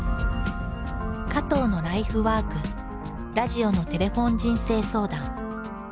加藤のライフワークラジオの「テレフォン人生相談」。